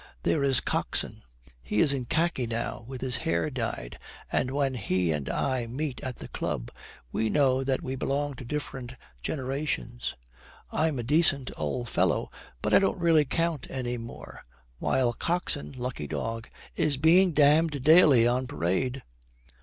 There is Coxon; he is in khaki now, with his hair dyed, and when he and I meet at the club we know that we belong to different generations. I'm a decent old fellow, but I don't really count any more, while Coxon, lucky dog, is being damned daily on parade.'